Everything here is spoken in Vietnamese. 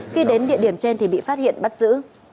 khi đến địa điểm trên thì bị phát hiện bắt giữ